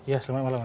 ya selamat malam